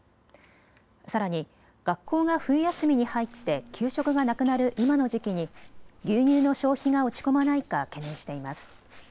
さらに学校が冬休みに入って給食がなくなる今の時期に牛乳の消費が落ち込まないか懸念しています。